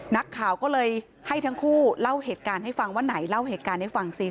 นักข่าวก็เลยให้ทั้งคู่เล่าเหตุการณ์ให้ฟังว่าไหนเล่าเหตุการณ์ให้ฟังซิ